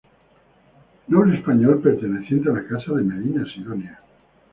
Noble español perteneciente a la Casa de Medina Sidonia.